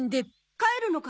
帰るのか？